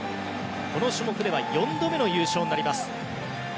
この種目では４度目の優勝になります。